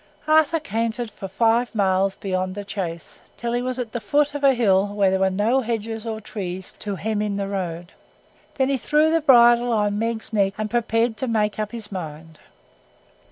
Arthur cantered for five miles beyond the Chase, till he was at the foot of a hill where there were no hedges or trees to hem in the road. Then he threw the bridle on Meg's neck and prepared to make up his mind.